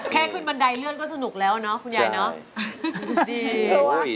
แค่ขึ้นบันไดเลื่อนก็สนุกแล้วเนาะคุณยายเนอะดี